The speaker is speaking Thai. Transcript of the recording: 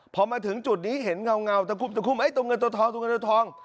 พอมาถึงจุดนี้เห็นเงาเงาตะกุบตะกุบตรงเงินตัวทองตรงเงินตัวทอง